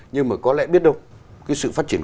nhưng mà có lẽ biết đâu cái sự phát triển